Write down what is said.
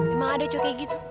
emang ada cua kayak gitu